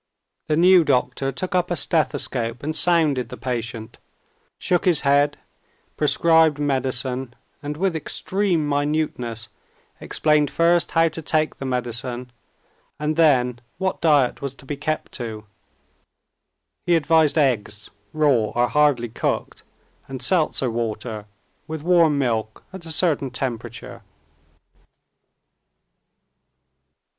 The new doctor took up a stethoscope and sounded the patient, shook his head, prescribed medicine, and with extreme minuteness explained first how to take the medicine and then what diet was to be kept to. He advised eggs, raw or hardly cooked, and seltzer water, with warm milk at a certain temperature.